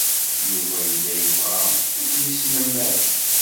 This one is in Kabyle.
Yuba yella yebɣa ad k-yesnemmer.